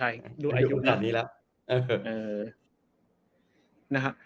อยู่ตอนนี้แหละ